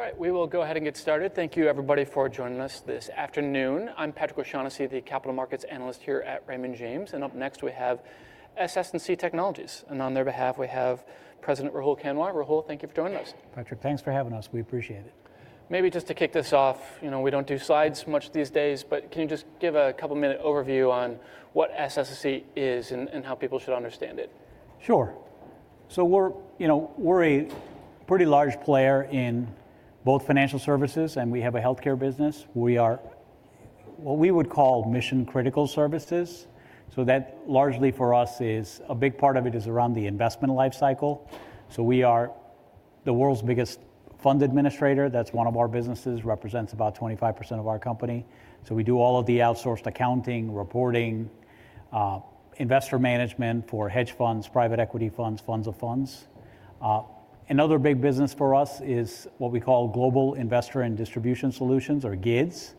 All right, we will go ahead and get started. Thank you, everybody, for joining us this afternoon. I'm Patrick O'Shaughnessy, the capital markets analyst here at Raymond James. And up next, we have SS&C Technologies. And on their behalf, we have President Rahul Kanwar. Rahul, thank you for joining us. Patrick, thanks for having us. We appreciate it. Maybe just to kick this off, you know, we don't do slides much these days, but can you just give a couple-minute overview on what SS&C is and how people should understand it? Sure. So we're a pretty large player in both financial services, and we have a healthcare business. We are what we would call mission-critical services. So that largely for us is a big part of it is around the investment lifecycle. So we are the world's biggest fund administrator. That's one of our businesses, represents about 25% of our company. So we do all of the outsourced accounting, reporting, investor management for hedge funds, private equity funds, funds of funds. Another big business for us is what we call Global Investor and Distribution Solutions, or GIDS.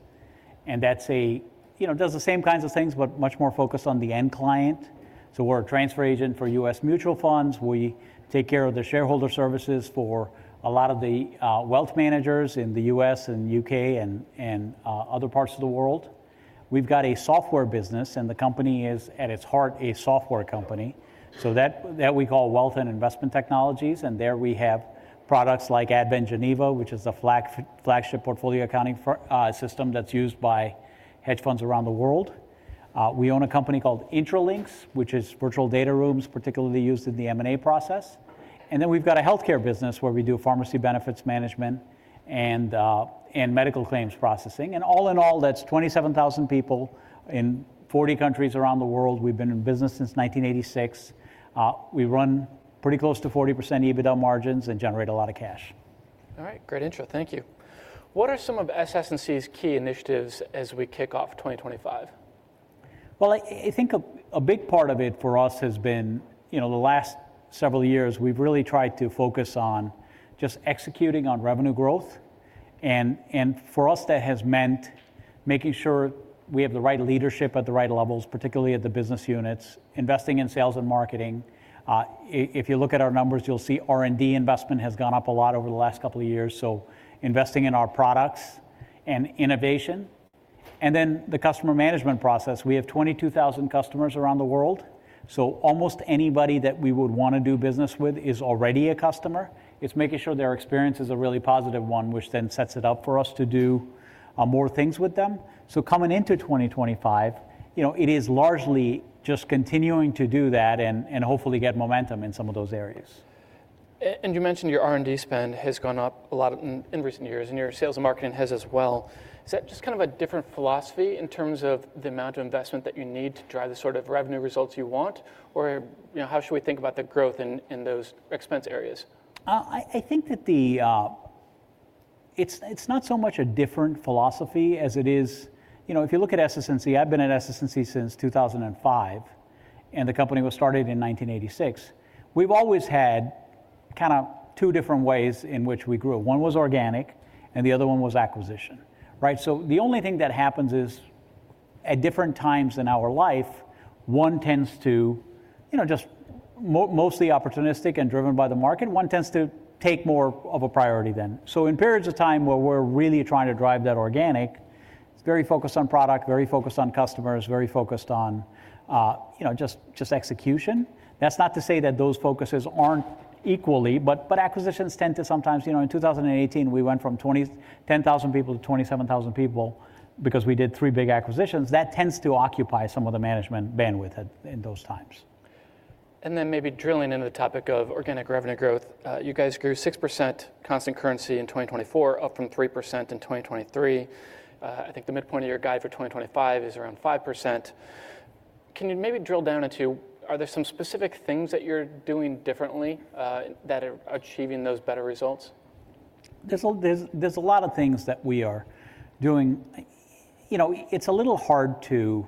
And that's a, you know, does the same kinds of things, but much more focused on the end client. So we're a transfer agent for U.S. mutual funds. We take care of the shareholder services for a lot of the wealth managers in the U.S. and U.K. and other parts of the world. We've got a software business, and the company is at its heart a software company. So that we call Wealth and Investment Technologies. And there we have products like Advent Geneva, which is a flagship portfolio accounting system that's used by hedge funds around the world. We own a company called Intralinks, which is virtual data rooms particularly used in the M&A process. And then we've got a healthcare business where we do pharmacy benefits management and medical claims processing. And all in all, that's 27,000 people in 40 countries around the world. We've been in business since 1986. We run pretty close to 40% EBITDA margins and generate a lot of cash. All right, great intro. Thank you. What are some of SS&C's key initiatives as we kick off 2025? Well, I think a big part of it for us has been, you know, the last several years we've really tried to focus on just executing on revenue growth. And for us, that has meant making sure we have the right leadership at the right levels, particularly at the business units, investing in sales and marketing. If you look at our numbers, you'll see R&D investment has gone up a lot over the last couple of years. So investing in our products and innovation. And then the customer management process. We have 22,000 customers around the world. So almost anybody that we would want to do business with is already a customer. It's making sure their experience is a really positive one, which then sets it up for us to do more things with them. Coming into 2025, you know, it is largely just continuing to do that and hopefully get momentum in some of those areas. And you mentioned your R&D spend has gone up a lot in recent years, and your sales and marketing has as well. Is that just kind of a different philosophy in terms of the amount of investment that you need to drive the sort of revenue results you want? Or how should we think about the growth in those expense areas? I think that it's not so much a different philosophy as it is, you know, if you look at SS&C, I've been at SS&C since 2005, and the company was started in 1986. We've always had kind of two different ways in which we grew. One was organic, and the other one was acquisition, right? So the only thing that happens is at different times in our life, one tends to, you know, just mostly opportunistic and driven by the market, one tends to take more of a priority then. So in periods of time where we're really trying to drive that organic, it's very focused on product, very focused on customers, very focused on, you know, just execution. That's not to say that those focuses aren't equally, but acquisitions tend to sometimes, you know, in 2018, we went from 10,000 people to 27,000 people because we did three big acquisitions. That tends to occupy some of the management bandwidth in those times. And then maybe drilling into the topic of organic revenue growth, you guys grew 6% constant currency in 2024, up from 3% in 2023. I think the midpoint of your guide for 2025 is around 5%. Can you maybe drill down into, are there some specific things that you're doing differently that are achieving those better results? There's a lot of things that we are doing. You know, it's a little hard to,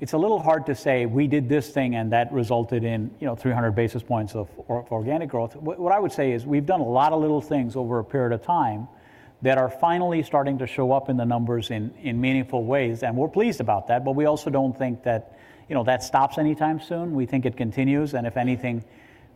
it's a little hard to say we did this thing and that resulted in, you know, 300 basis points of organic growth. What I would say is we've done a lot of little things over a period of time that are finally starting to show up in the numbers in meaningful ways, and we're pleased about that, but we also don't think that, you know, that stops anytime soon. We think it continues, and if anything,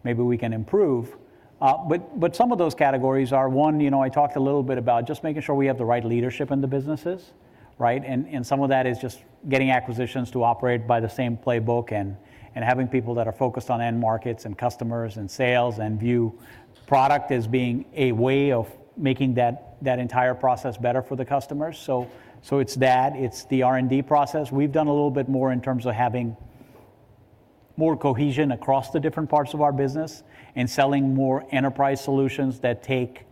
maybe we can improve, but some of those categories are, one, you know, I talked a little bit about just making sure we have the right leadership in the businesses, right? And some of that is just getting acquisitions to operate by the same playbook and having people that are focused on end markets and customers and sales and view product as being a way of making that entire process better for the customers, so it's that, it's the R&D process. We've done a little bit more in terms of having more cohesion across the different parts of our business and selling more enterprise solutions that take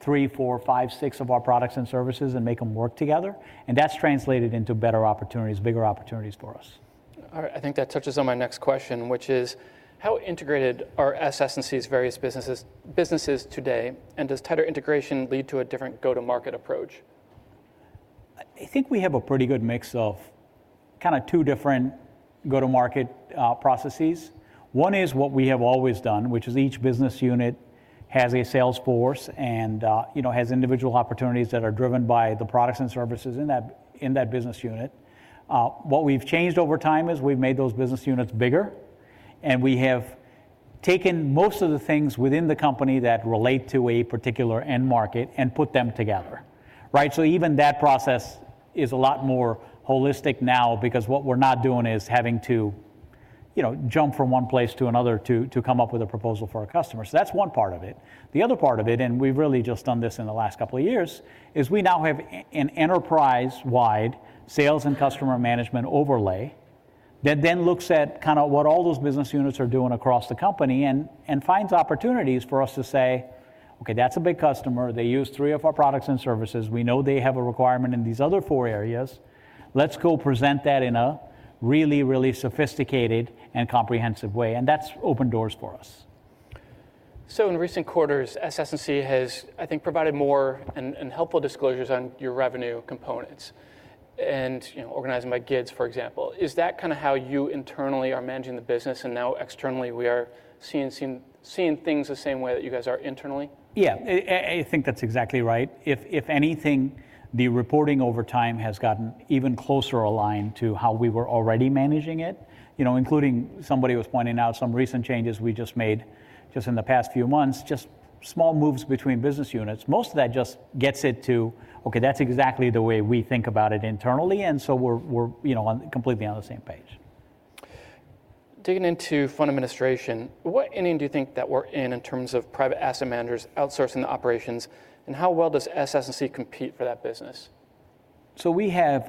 three, four, five, six of our products and services and make them work together, and that's translated into better opportunities, bigger opportunities for us. All right. I think that touches on my next question, which is how integrated are SS&C's various businesses today? And does tighter integration lead to a different go-to-market approach? I think we have a pretty good mix of kind of two different go-to-market processes. One is what we have always done, which is each business unit has a sales force and, you know, has individual opportunities that are driven by the products and services in that business unit. What we've changed over time is we've made those business units bigger, and we have taken most of the things within the company that relate to a particular end market and put them together, right? So that's one part of it. The other part of it, and we've really just done this in the last couple of years, is we now have an enterprise-wide sales and customer management overlay that then looks at kind of what all those business units are doing across the company and finds opportunities for us to say, "Okay, that's a big customer. They use three of our products and services. We know they have a requirement in these other four areas. Let's go present that in a really, really sophisticated and comprehensive way." And that's opened doors for us. So in recent quarters, SS&C has, I think, provided more and helpful disclosures on your revenue components and organizing by GIDS, for example. Is that kind of how you internally are managing the business? And now externally, we are seeing things the same way that you guys are internally? Yeah, I think that's exactly right. If anything, the reporting over time has gotten even closer aligned to how we were already managing it, you know, including somebody was pointing out some recent changes we just made just in the past few months, just small moves between business units. Most of that just gets it to, "Okay, that's exactly the way we think about it internally." And so we're, you know, completely on the same page. Digging into fund administration, what inning do you think that we're in in terms of private asset managers outsourcing the operations? And how well does SS&C compete for that business? We have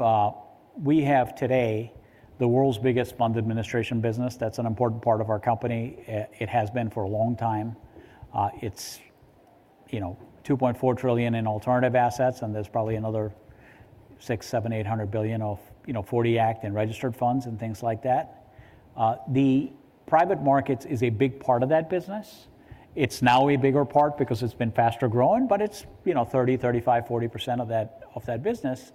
today the world's biggest fund administration business. That's an important part of our company. It has been for a long time. It's, you know, $2.4 trillion in alternative assets, and there's probably another $600 billion-$800 billion of, you know, '40 Act and registered funds and things like that. The private markets is a big part of that business. It's now a bigger part because it's been faster growing, but it's, you know, 30%-40% of that business.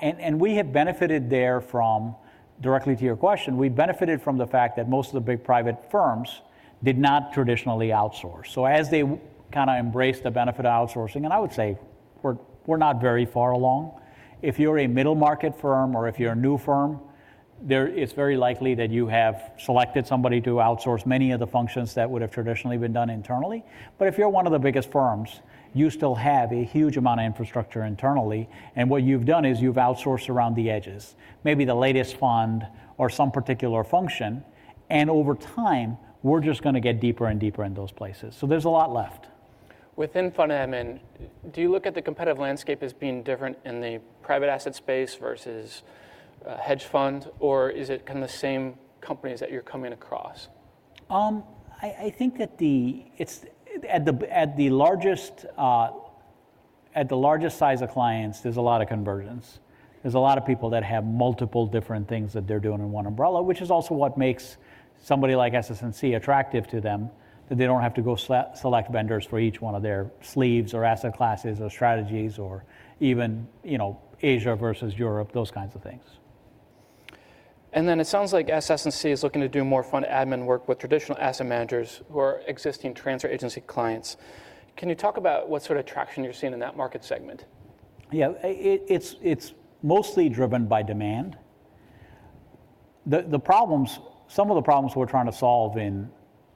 And we have benefited there from, directly to your question, we benefited from the fact that most of the big private firms did not traditionally outsource. As they kind of embraced the benefit of outsourcing, and I would say we're not very far along. If you're a middle market firm or if you're a new firm, it's very likely that you have selected somebody to outsource many of the functions that would have traditionally been done internally. But if you're one of the biggest firms, you still have a huge amount of infrastructure internally. And what you've done is you've outsourced around the edges, maybe the latest fund or some particular function. And over time, we're just going to get deeper and deeper in those places. So there's a lot left. Within fund admin, do you look at the competitive landscape as being different in the private asset space versus hedge funds, or is it kind of the same companies that you're coming across? I think that at the largest, at the largest size of clients, there's a lot of convergence. There's a lot of people that have multiple different things that they're doing in one umbrella, which is also what makes somebody like SS&C attractive to them, that they don't have to go select vendors for each one of their sleeves or asset classes or strategies or even, you know, Asia versus Europe, those kinds of things. And then it sounds like SS&C is looking to do more fund admin work with traditional asset managers who are existing transfer agency clients. Can you talk about what sort of traction you're seeing in that market segment? Yeah, it's mostly driven by demand. The problems, some of the problems we're trying to solve in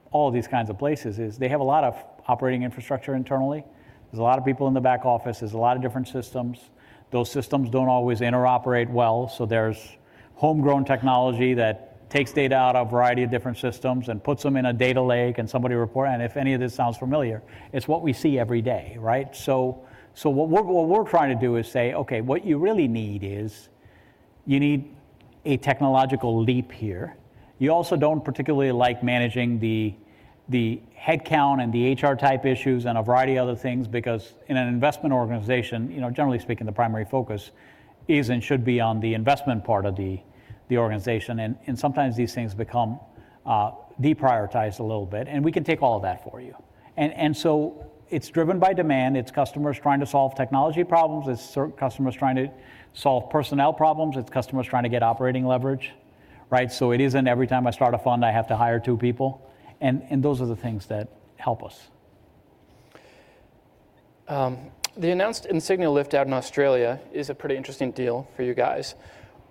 all of these kinds of places is they have a lot of operating infrastructure internally. There's a lot of people in the back office. There's a lot of different systems. Those systems don't always interoperate well. So there's homegrown technology that takes data out of a variety of different systems and puts them in a data lake and somebody reports, and if any of this sounds familiar, it's what we see every day, right? So what we're trying to do is say, "Okay, what you really need is you need a technological leap here." You also don't particularly like managing the headcount and the HR type issues and a variety of other things because in an investment organization, you know, generally speaking, the primary focus is and should be on the investment part of the organization. And sometimes these things become deprioritized a little bit, and we can take all of that for you. And so it's driven by demand. It's customers trying to solve technology problems. It's customers trying to solve personnel problems. It's customers trying to get operating leverage, right? So it isn't every time I start a fund, I have to hire two people. And those are the things that help us. The announced Insignia lift out in Australia is a pretty interesting deal for you guys.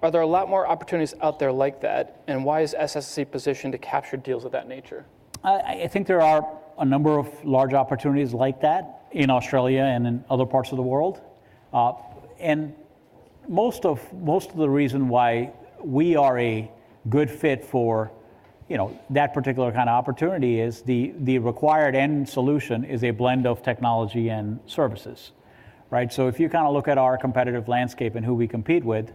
Are there a lot more opportunities out there like that? And why is SS&C positioned to capture deals of that nature? I think there are a number of large opportunities like that in Australia and in other parts of the world. And most of the reason why we are a good fit for, you know, that particular kind of opportunity is the required end solution is a blend of technology and services, right? So if you kind of look at our competitive landscape and who we compete with,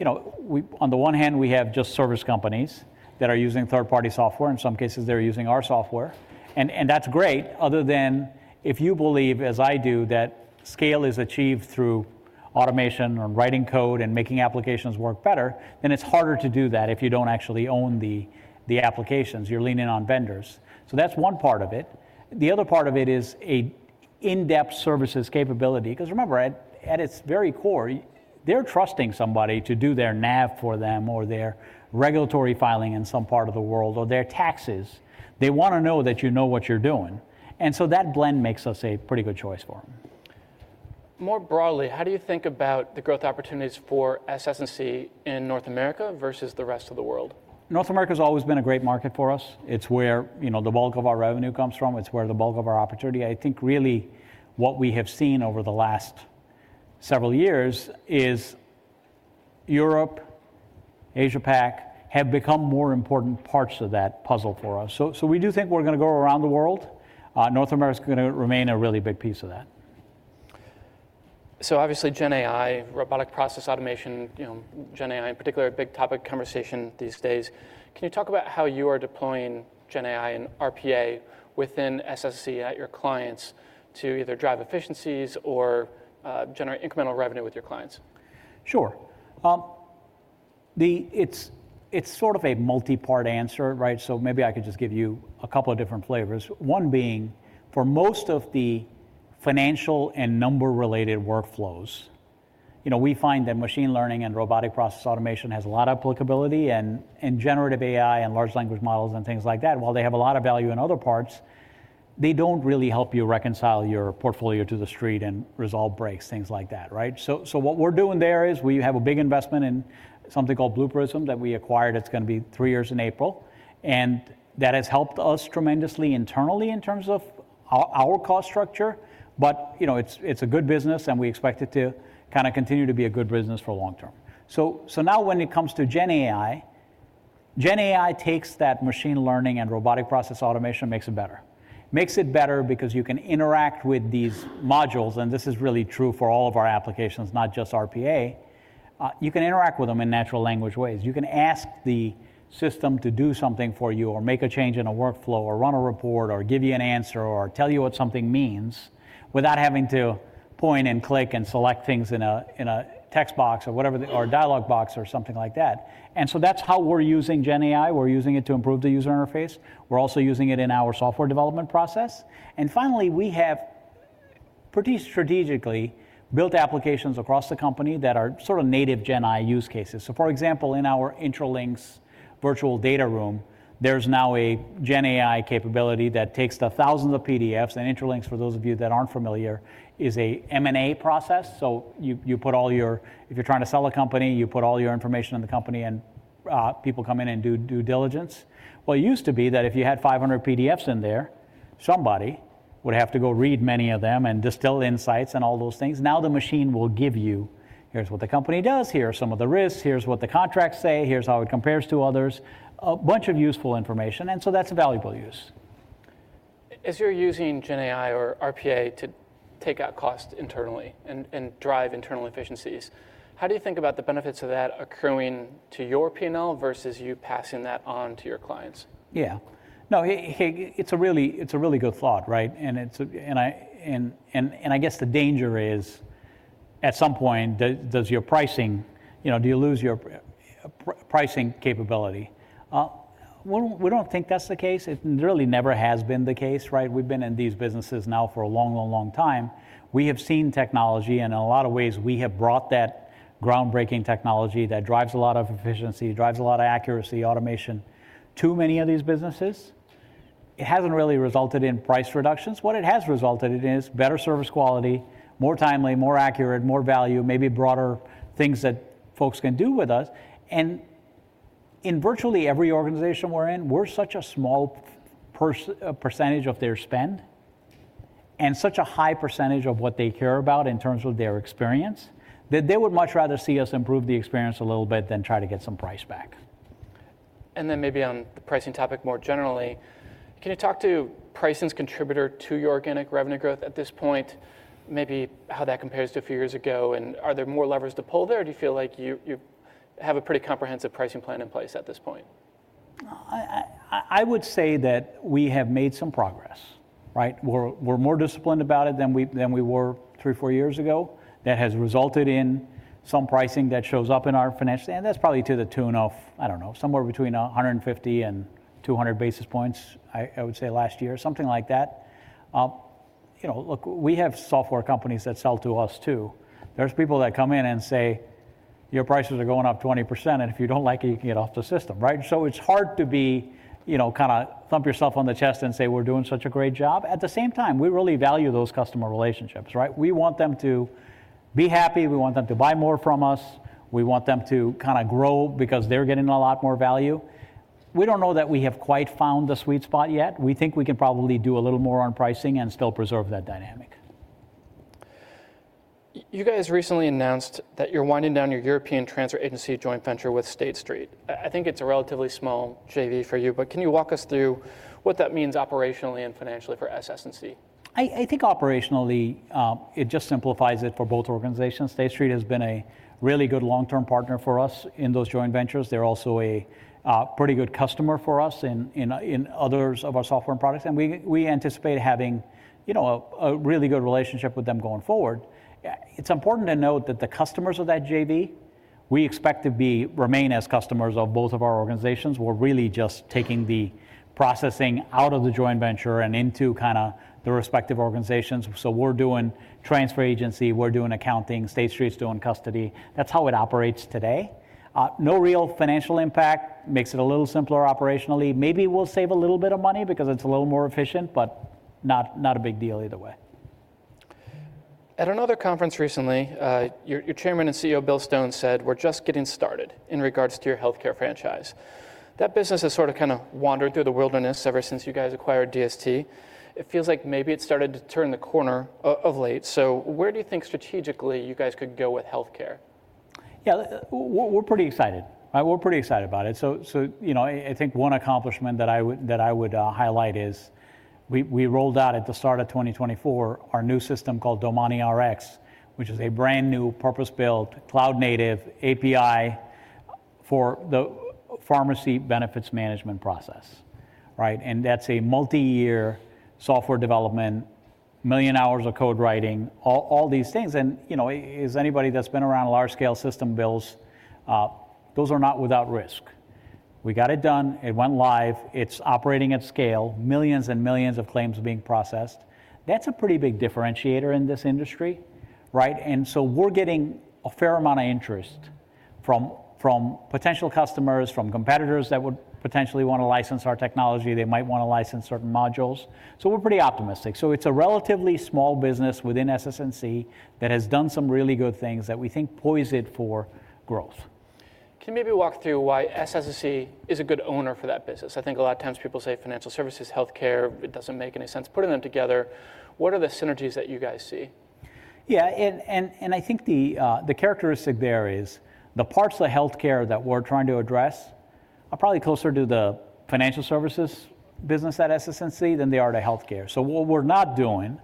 you know, on the one hand, we have just service companies that are using third-party software. In some cases, they're using our software. And that's great. Other than if you believe, as I do, that scale is achieved through automation and writing code and making applications work better, then it's harder to do that if you don't actually own the applications. You're leaning on vendors. So that's one part of it. The other part of it is an in-depth services capability. Because remember, at its very core, they're trusting somebody to do their NAV for them or their regulatory filing in some part of the world or their taxes. They want to know that you know what you're doing, and so that blend makes us a pretty good choice for them. More broadly, how do you think about the growth opportunities for SS&C in North America versus the rest of the world? North America has always been a great market for us. It's where, you know, the bulk of our revenue comes from. It's where the bulk of our opportunity. I think really what we have seen over the last several years is Europe, Asia-Pac have become more important parts of that puzzle for us. So we do think we're going to go around the world. North America is going to remain a really big piece of that. So obviously, GenAI, robotic process automation, you know, GenAI in particular, a big topic conversation these days. Can you talk about how you are deploying GenAI and RPA within SS&C at your clients to either drive efficiencies or generate incremental revenue with your clients? Sure. It's sort of a multi-part answer, right? So maybe I could just give you a couple of different flavors. One being, for most of the financial and number-related workflows, you know, we find that machine learning and robotic process automation has a lot of applicability and generative AI and large language models and things like that. While they have a lot of value in other parts, they don't really help you reconcile your portfolio to the Street and resolve breaks, things like that, right? So what we're doing there is we have a big investment in something called Blue Prism that we acquired. It's going to be three years in April. And that has helped us tremendously internally in terms of our cost structure. But, you know, it's a good business and we expect it to kind of continue to be a good business for long term. So now when it comes to GenAI, GenAI takes that machine learning and robotic process automation, makes it better. Makes it better because you can interact with these modules. And this is really true for all of our applications, not just RPA. You can interact with them in natural language ways. You can ask the system to do something for you or make a change in a workflow or run a report or give you an answer or tell you what something means without having to point and click and select things in a text box or whatever or a dialogue box or something like that. And so that's how we're using GenAI. We're using it to improve the user interface. We're also using it in our software development process. And finally, we have pretty strategically built applications across the company that are sort of native GenAI use cases. So for example, in our Intralinks virtual data room, there's now a GenAI capability that takes the thousands of PDFs. And Intralinks, for those of you that aren't familiar, is an M&A process. So, if you're trying to sell a company, you put all your information in there and people come in and do due diligence. Well, it used to be that if you had 500 PDFs in there, somebody would have to go read many of them and distill insights and all those things. Now the machine will give you, "Here's what the company does. Here are some of the risks. Here's what the contracts say. Here's how it compares to others." A bunch of useful information. And so that's a valuable use. As you're using GenAI or RPA to take out costs internally and drive internal efficiencies, how do you think about the benefits of that accruing to your P&L versus you passing that on to your clients? Yeah. No, it's a really good thought, right, and I guess the danger is at some point, does your pricing, you know, do you lose your pricing capability? We don't think that's the case. It really never has been the case, right? We've been in these businesses now for a long, long, long time. We have seen technology, and in a lot of ways, we have brought that groundbreaking technology that drives a lot of efficiency, drives a lot of accuracy, automation to many of these businesses. It hasn't really resulted in price reductions. What it has resulted in is better service quality, more timely, more accurate, more value, maybe broader things that folks can do with us. In virtually every organization we're in, we're such a small percentage of their spend and such a high percentage of what they care about in terms of their experience that they would much rather see us improve the experience a little bit than try to get some price back. Then maybe on the pricing topic more generally, can you talk to pricing's contributor to your organic revenue growth at this point, maybe how that compares to a few years ago? Are there more levers to pull there? Do you feel like you have a pretty comprehensive pricing plan in place at this point? I would say that we have made some progress, right? We're more disciplined about it than we were three, four years ago. That has resulted in some pricing that shows up in our financial statement. That's probably to the tune of, I don't know, somewhere between 150 and 200 basis points, I would say last year, something like that. You know, look, we have software companies that sell to us too. There's people that come in and say, "Your prices are going up 20%, and if you don't like it, you can get off the system," right? So it's hard to be, you know, kind of thump yourself on the chest and say, "We're doing such a great job." At the same time, we really value those customer relationships, right? We want them to be happy. We want them to buy more from us. We want them to kind of grow because they're getting a lot more value. We don't know that we have quite found the sweet spot yet. We think we can probably do a little more on pricing and still preserve that dynamic. You guys recently announced that you're winding down your European transfer agency joint venture with State Street. I think it's a relatively small JV for you, but can you walk us through what that means operationally and financially for SS&C? I think operationally, it just simplifies it for both organizations. State Street has been a really good long-term partner for us in those joint ventures. They're also a pretty good customer for us in others of our software and products. And we anticipate having, you know, a really good relationship with them going forward. It's important to note that the customers of that JV, we expect to remain as customers of both of our organizations. We're really just taking the processing out of the joint venture and into kind of the respective organizations. So we're doing transfer agency. We're doing accounting. State Street's doing custody. That's how it operates today. No real financial impact. Makes it a little simpler operationally. Maybe we'll save a little bit of money because it's a little more efficient, but not a big deal either way. At another conference recently, your chairman and CEO, Bill Stone, said, "We're just getting started in regards to your healthcare franchise." That business has sort of kind of wandered through the wilderness ever since you guys acquired DST. It feels like maybe it started to turn the corner of late. So where do you think strategically you guys could go with healthcare? Yeah, we're pretty excited. We're pretty excited about it. So, you know, I think one accomplishment that I would highlight is we rolled out at the start of 2024 our new system called DomaniRx, which is a brand new purpose-built cloud-native API for the pharmacy benefits management process, right? And that's a multi-year software development, million hours of code writing, all these things. And, you know, as anybody that's been around large-scale system builds, those are not without risk. We got it done. It went live. It's operating at scale. Millions and millions of claims are being processed. That's a pretty big differentiator in this industry, right? And so we're getting a fair amount of interest from potential customers, from competitors that would potentially want to license our technology. They might want to license certain modules. So we're pretty optimistic. So it's a relatively small business within SS&C that has done some really good things that we think poise it for growth. Can you maybe walk through why SS&C is a good owner for that business? I think a lot of times people say financial services, healthcare, it doesn't make any sense. Putting them together, what are the synergies that you guys see? Yeah, and I think the characteristic there is the parts of healthcare that we're trying to address are probably closer to the financial services business at SS&C than they are to healthcare. So what we're not doing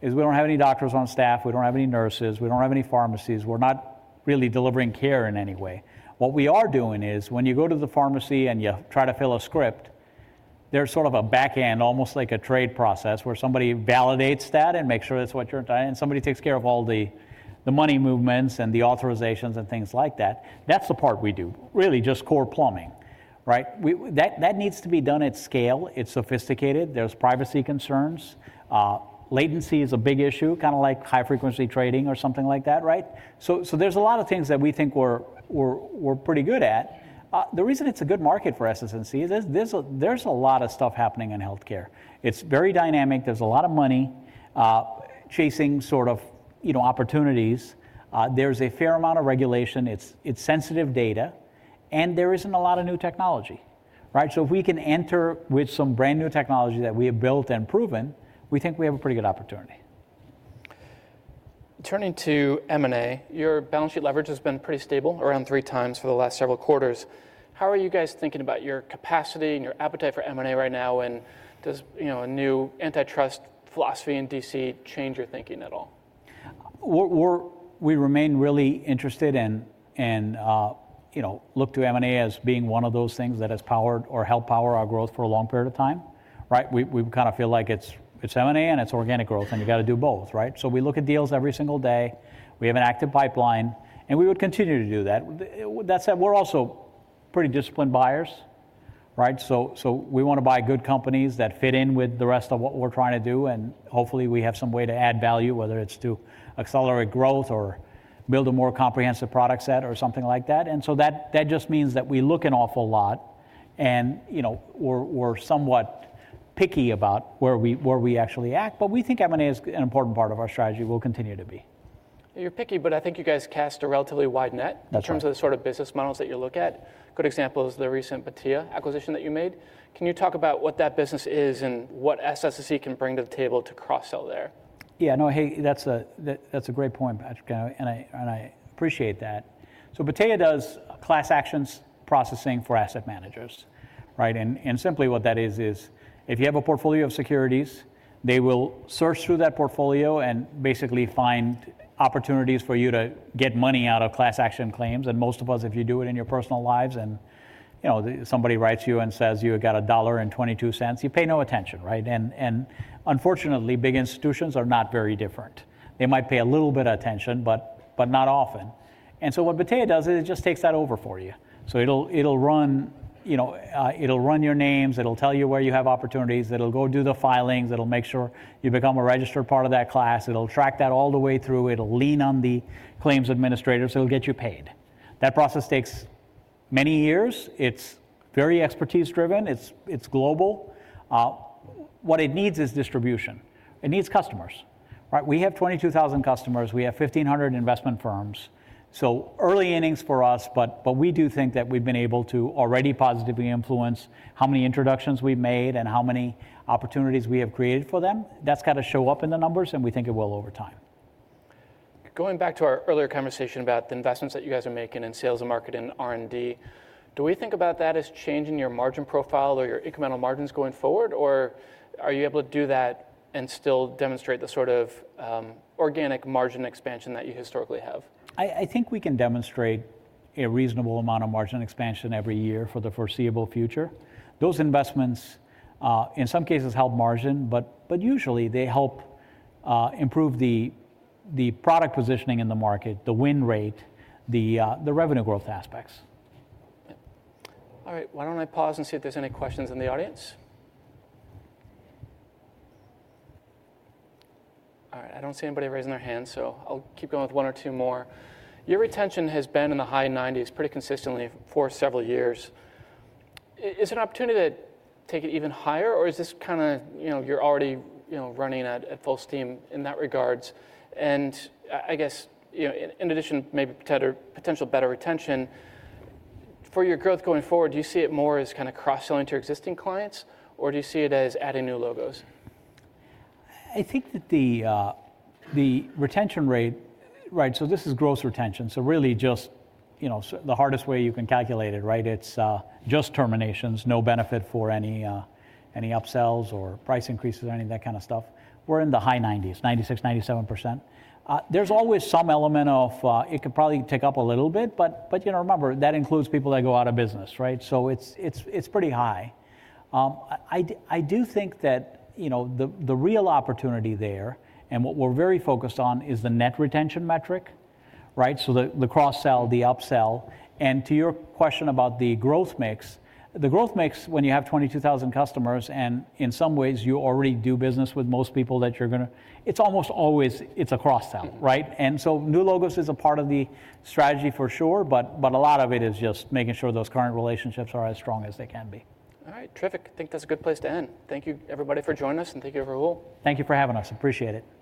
is we don't have any doctors on staff. We don't have any nurses. We don't have any pharmacies. We're not really delivering care in any way. What we are doing is when you go to the pharmacy and you try to fill a script, there's sort of a backend, almost like a trade process where somebody validates that and makes sure that's what you're entering. And somebody takes care of all the money movements and the authorizations and things like that. That's the part we do. Really just core plumbing, right? That needs to be done at scale. It's sophisticated. There's privacy concerns. Latency is a big issue, kind of like high-frequency trading or something like that, right? So there's a lot of things that we think we're pretty good at. The reason it's a good market for SS&C is there's a lot of stuff happening in healthcare. It's very dynamic. There's a lot of money chasing sort of, you know, opportunities. There's a fair amount of regulation. It's sensitive data. And there isn't a lot of new technology, right? So if we can enter with some brand new technology that we have built and proven, we think we have a pretty good opportunity. Turning to M&A, your balance sheet leverage has been pretty stable, around three times for the last several quarters. How are you guys thinking about your capacity and your appetite for M&A right now? And does, you know, a new antitrust philosophy in D.C. change your thinking at all? We remain really interested and, you know, look to M&A as being one of those things that has powered or helped power our growth for a long period of time, right? We kind of feel like it's M&A and it's organic growth, and you got to do both, right? So we look at deals every single day. We have an active pipeline, and we would continue to do that. That said, we're also pretty disciplined buyers, right? So we want to buy good companies that fit in with the rest of what we're trying to do. And hopefully we have some way to add value, whether it's to accelerate growth or build a more comprehensive product set or something like that. And so that just means that we look an awful lot and, you know, we're somewhat picky about where we actually act. But we think M&A is an important part of our strategy. We'll continue to be. You're picky, but I think you guys cast a relatively wide net in terms of the sort of business models that you look at. Good example is the recent Battea acquisition that you made. Can you talk about what that business is and what SS&C can bring to the table to cross-sell there? Yeah, no, hey, that's a great point, Patrick, and I appreciate that. So Battea does class actions processing for asset managers, right? And simply what that is, is if you have a portfolio of securities, they will search through that portfolio and basically find opportunities for you to get money out of class action claims. And most of us, if you do it in your personal lives and, you know, somebody writes you and says you got a $1.22, you pay no attention, right? And unfortunately, big institutions are not very different. They might pay a little bit of attention, but not often. And so what Battea does is it just takes that over for you. So it'll run, you know, it'll run your names. It'll tell you where you have opportunities. It'll go do the filings. It'll make sure you become a registered part of that class. It'll track that all the way through. It'll lean on the claims administrators. It'll get you paid. That process takes many years. It's very expertise-driven. It's global. What it needs is distribution. It needs customers, right? We have 22,000 customers. We have 1,500 investment firms. So early innings for us, but we do think that we've been able to already positively influence how many introductions we've made and how many opportunities we have created for them. That's got to show up in the numbers, and we think it will over time. Going back to our earlier conversation about the investments that you guys are making in sales and marketing and R&D, do we think about that as changing your margin profile or your incremental margins going forward, or are you able to do that and still demonstrate the sort of organic margin expansion that you historically have? I think we can demonstrate a reasonable amount of margin expansion every year for the foreseeable future. Those investments, in some cases, help margin, but usually they help improve the product positioning in the market, the win rate, the revenue growth aspects. All right, why don't I pause and see if there's any questions in the audience? All right, I don't see anybody raising their hand, so I'll keep going with one or two more. Your retention has been in the high 90s pretty consistently for several years. Is it an opportunity to take it even higher, or is this kind of, you know, you're already, you know, running at full steam in that regards, and I guess, you know, in addition, maybe potential better retention for your growth going forward, do you see it more as kind of cross-selling to existing clients, or do you see it as adding new logos? I think that the retention rate, right? So this is gross retention. So really just, you know, the hardest way you can calculate it, right? It's just terminations, no benefit for any upsells or price increases or any of that kind of stuff. We're in the high 90s, 96%, 97%. There's always some element of it could probably take up a little bit, but, you know, remember, that includes people that go out of business, right? So it's pretty high. I do think that, you know, the real opportunity there and what we're very focused on is the net retention metric, right? So the cross-sell, the upsell. And to your question about the growth mix, the growth mix, when you have 22,000 customers and in some ways you already do business with most people that you're going to, it's almost always it's a cross-sell, right? New logos is a part of the strategy for sure, but a lot of it is just making sure those current relationships are as strong as they can be. All right, terrific. I think that's a good place to end. Thank you, everybody, for joining us, and thank you for the whole. Thank you for having us. Appreciate it.